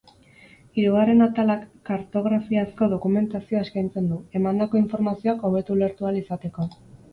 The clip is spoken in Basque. Hirugarren atalak kartografiazko dokumentazioa eskaintzen du, emandako informazioak hobeto ulertu ahal izateko.